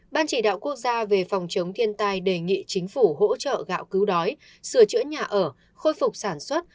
ban chỉ đạo quốc gia về phòng chống thiên tai đề nghị chính phủ hỗ trợ gạo cứu đói sửa chữa nhà ở khôi phục sản xuất